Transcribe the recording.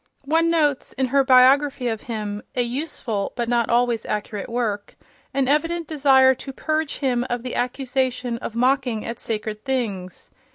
One notes, in her biography of him—a useful but not always accurate work—an evident desire to purge him of the accusation of mocking at sacred things.